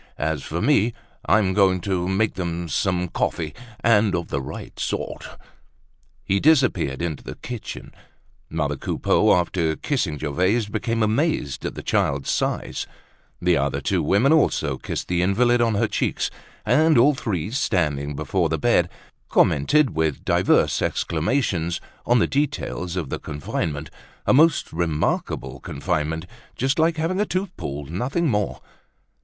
As for me, I'm going to make them some coffee, and of the right sort!" He disappeared into the kitchen. Mother Coupeau after kissing Gervaise, became amazed at the child's size. The two other women also kissed the invalid on her cheeks. And all three, standing before the bed, commented with divers exclamations on the details of the confinement—a most remarkable confinement, just like having a tooth pulled, nothing more.